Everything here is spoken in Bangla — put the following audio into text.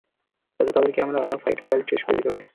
যাতে তাদেরকে আমাদের ফাইটার পাইলট শেষ করে দিতে পারে।